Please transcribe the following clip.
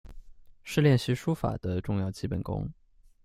是练习书法的重要基本功。